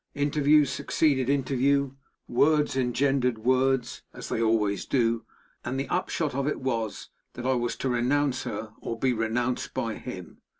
Interview succeeded interview; words engendered words, as they always do; and the upshot of it was, that I was to renounce her, or be renounced by him.